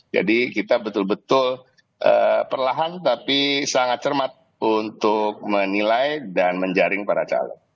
jadi kita betul betul perlahan tapi sangat cermat untuk menilai dan menjaring para calon